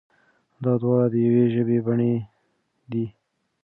دا دواړه د يوې ژبې بڼې دي.